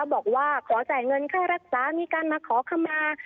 บอกว่าขอจ่ายเงินค่ารักษามีการมาขอคำมา